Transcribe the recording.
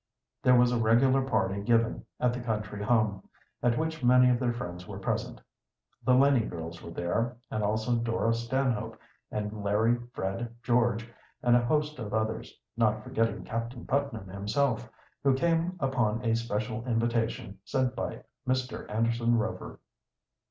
There was a regular party given at the country home, at which many of their friends were present. The Laning girls were there, and also Dora Stanhope, and Larry, Fred, George, and a host of others, not forgetting Captain Putnam himself, who came upon a special invitation sent by Mr. Anderson Rover.